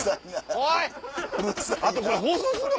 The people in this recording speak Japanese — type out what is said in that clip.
おい！